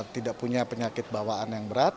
tidak punya penyakit bawaan yang berat